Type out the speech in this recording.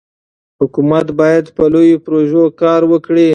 حکومت باید په لویو پروژو کار وکړي.